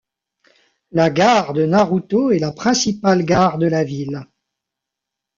La gare de Naruto est la principale gare de la ville.